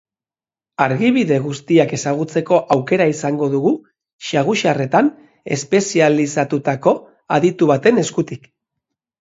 Argibide guztiak ezagutzeko aukera izango dugu, saguzarretan espezializatutako aditu baten eskutik.